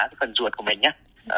cái phần ruột của mình nhé